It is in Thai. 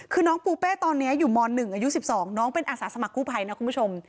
คือน้องปูเป้ตอนเนี้ยอยู่มหนึ่งอายุสิบสองน้องเป็นอาสาสมัครคู่ภัยนะคุณผู้ชม